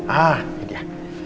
ah ini dia